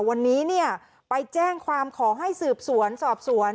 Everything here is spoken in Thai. วันนี้ไปแจ้งความขอให้สืบสวนสอบสวน